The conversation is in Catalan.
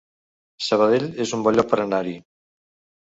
Sabadell es un bon lloc per anar-hi